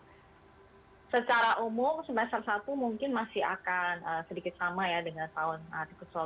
hai secara umum semester satu mungkin masih akan sedikit sama ya dengan tahun arti kecil